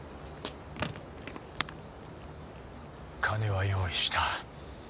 金は用意した。